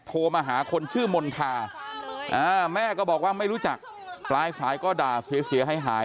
โทรมาหาคนชื่อมณฑาแม่ก็บอกว่าไม่รู้จักปลายสายก็ด่าเสียหายหาย